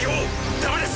ダメです。